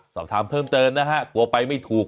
สอบถามเพิ่มเติมนะฮะกลัวไปไม่ถูก